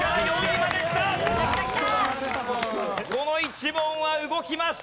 この１問は動きました。